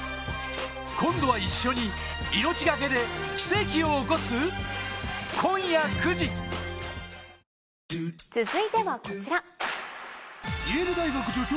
今度は一緒に命懸けで奇跡を起こす⁉続いてはこちら。